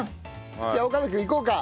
じゃあ岡部君いこうか。